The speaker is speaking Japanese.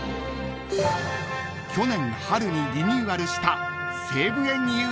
［去年春にリニューアルした］